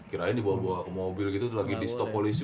kirain dibawa bawa ke mobil gitu lagi di stop polisi